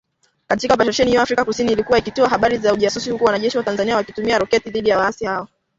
Katika Oparesheni hiyo, Afrika kusini ilikuwa ikitoa habari za ujasusi huku wanajeshi wa Tanzania wakitumia roketi dhidi ya waasi hao